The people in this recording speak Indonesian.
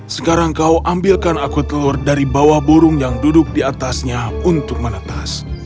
sekarang kau ambilkan aku telur dari bawah burung yang duduk di atasnya untuk menetas